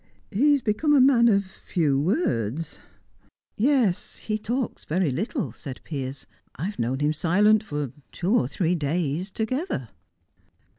He has become a man of few words." "Yes, he talks very little," said Piers. "I've known him silent for two or three days together."